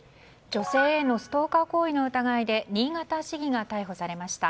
女性へのストーカー行為の疑いで新潟市議が逮捕されました。